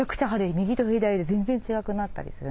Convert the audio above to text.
右と左で全然違くなったりするんですね。